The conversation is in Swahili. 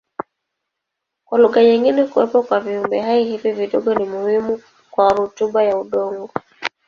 Kwa lugha nyingine kuwepo kwa viumbehai hivi vidogo ni muhimu kwa rutuba ya udongo.